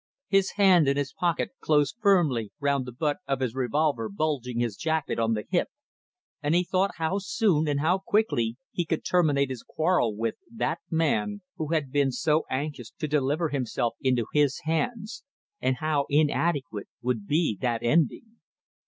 His hand in his pocket closed firmly round the butt of his revolver bulging his jacket on the hip, and he thought how soon and how quickly he could terminate his quarrel with that man who had been so anxious to deliver himself into his hands and how inadequate would be that ending!